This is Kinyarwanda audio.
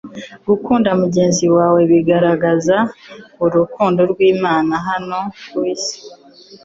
Gukunda mugenzi wawe bigaragaza urukundo rw'Imana hano ku isi.